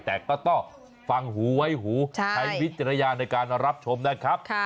แต่ก็ต้องฟังหูไว้หูใช้วิจารณญาณในการรับชมนะครับ